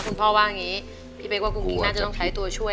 คุณพ่อว่าอย่างนี้พี่เป๊กว่ากุ้งนิ้งน่าจะต้องใช้ตัวช่วย